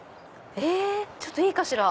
ちょっといいかしら？